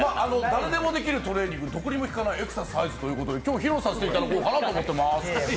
誰でもできるトレーニング、どこにも効かないトレーニング、今日、披露させていただこうかなと思ってます。